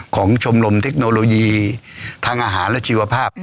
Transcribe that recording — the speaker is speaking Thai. ชมรมเทคโนโลยีทางอาหารและชีวภาพ